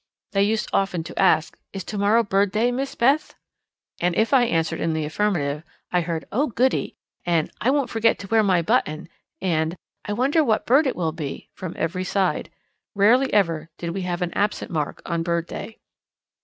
They used often to ask, 'Is to morrow Bird Day, Miss Beth?' and if I answered in the affirmative, I heard 'Oh, goody,' and 'I won't forget to wear my button,' and 'I wonder what bird it will be,' from every side. Rarely ever did we have an absent mark on Bird Day.